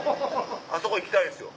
あそこ行きたいんですよ。